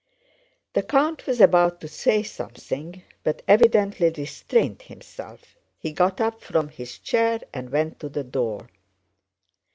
The count was about to say something, but evidently restrained himself. He got up from his chair and went to the door.